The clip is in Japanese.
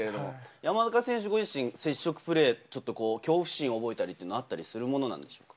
山中選手、ご自身は接触プレー、ちょっと恐怖心を覚えたりは、あったりするものですか？